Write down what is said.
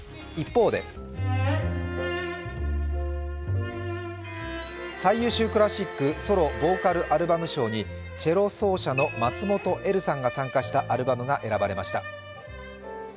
一方で最優秀クラシック・ソロ・ヴォーカル・アルバム賞にチェロ奏者の松本エルさんが参加したアルバムが選ばれました。